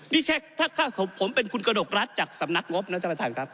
นี่แค่ผมเป็นคุณกระดกรัฐจากสำนักงบนะท่านประธานครับ